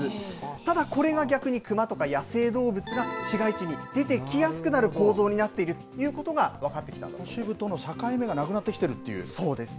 ただこれが逆に、クマとか野生動物が市街地に出てきやすくなる構造になっていると都市部との境目がなくなってそうですね。